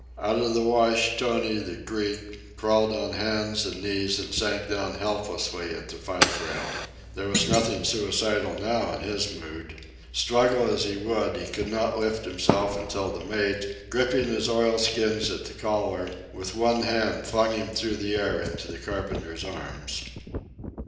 Out of the wash, Tony, the Greek, crawled on hands and knees and sank down helplessly at the fife rail. There was nothing suicidal now in his mood. Struggle as he would, he could not lift himself until the mate, gripping his oilskin at the collar, with one hand flung him through the air into the carpenter's arms.